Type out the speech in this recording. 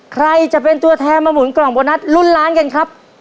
ใครจะเป็นตัวแทนมาหมุนกล่องโบนัสลุ้นล้านกันครับ